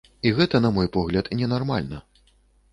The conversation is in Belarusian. І гэта, на мой погляд, ненармальна.